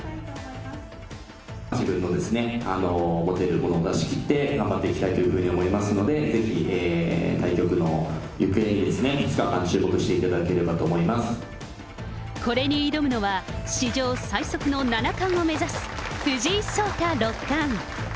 自分の持てるものを出しきって、頑張っていきたいというふうに思いますので、ぜひ対局の行方に２日間、これに挑むのは、史上最速の七冠を目指す藤井聡太六冠。